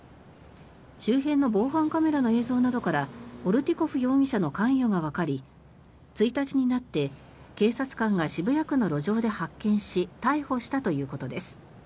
周辺の防犯カメラの映像などからオルティコフ容疑者の関与がわかり１日になって警察官が渋谷区の路上で発見し逮捕したということです。